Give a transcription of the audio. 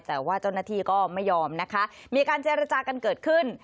แต่ว่าเจ้าหน้าที่ก็ไม่ยอมนะคะมีการเจรจากันเกิดขึ้น